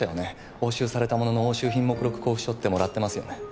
押収されたものの「押収品目録交付書」ってもらってますよね？